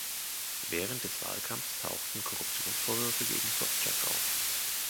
Während des Wahlkampfs tauchten Korruptionsvorwürfe gegen Sobtschak auf.